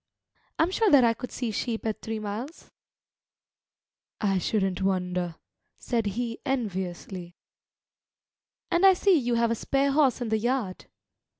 "I'm sure that I could see sheep at three miles." "I shouldn't wonder," said he enviously. "And I see you have a spare horse in the yard."